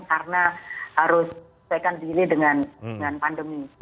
karena harus sampaikan diri dengan pandemi